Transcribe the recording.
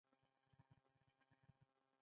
ایا زه باید جوش شوې اوبه وڅښم؟